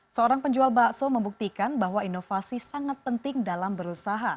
seorang penjual bakso membuktikan bahwa inovasi sangat penting dalam berusaha